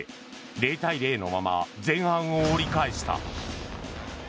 ０対０のまま前半を折り返した。